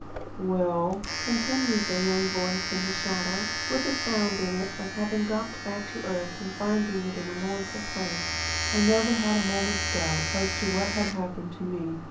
"Well," continued the young voice in the shadow, with a sound in it of having dropped back to earth and finding it a mournful place; "I never had a moment's doubt as to what had happened to me.